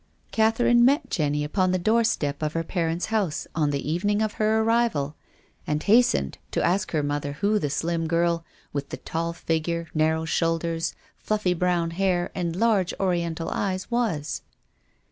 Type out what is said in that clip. Catherine met Jenny upon the doorstep of her parents' house on the evening of her arrival, and hastened to ask her mother who the slim girl, with the tall figure, narrow shoulders, fluffy brown hair, and large oriental eyes was.